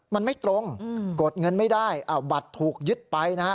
มันไม่ตรงกดเงินไม่ได้บัตรถูกยึดไปนะฮะ